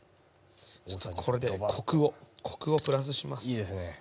これでコクをプラスします。